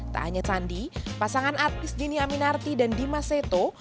tak hanya sandi pasangan artis dini aminarti dan dimas seto